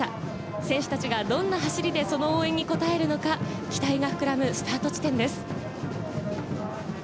選手たちがどんな走りでその応援にこたえるのか期待が膨らむスタート地点です。